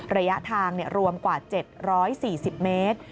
ระยะทางรวมกว่า๗๔๐เมตร